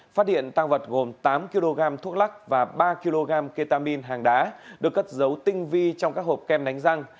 phát hiện tăng vật gồm tám kg thuốc lắc và ba kg ketamin hàng đá được cất dấu tinh vi trong các hộp kem đánh răng